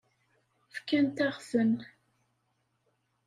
Fkant-aɣ-ten.